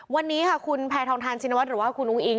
วันนี้ค่ะคุณแพทองทานชินวัฒนหรือว่าคุณอุ้งอิง